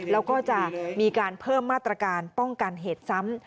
แล้วก็จะมีการเพิ่มมาตรการป้องกันเหตุซ้ำ